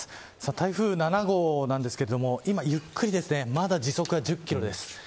台風７号なんですけど今、ゆっくりまだ時速１０キロです。